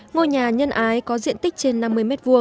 ngôi nhà nhân ái có diện tích trên năm mươi m hai